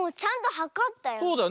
はかったよね。